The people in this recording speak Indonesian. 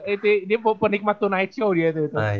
itu dia penikmat tonight show dia tuh